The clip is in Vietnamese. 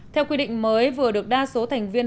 theo quy định mới vừa được đa số thành viên